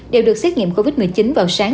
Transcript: đều được xét nghiệm covid một mươi chín vào sáng